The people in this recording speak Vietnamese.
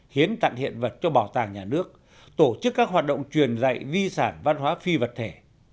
hiến tặng hiện vật cho bảo tàng nhà nước tổ chức các hoạt động truyền dạy di sản văn hóa phi vật thể